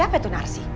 siapa itu narsi